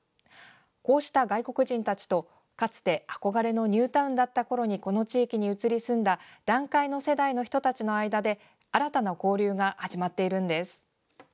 こうした外国人たちと、かつて憧れのニュータウンだったころにこの地域に移り住んだ団塊の世代の人たちの間で新たな交流が始まっているんです。